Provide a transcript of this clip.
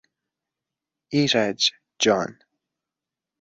ایرج جان...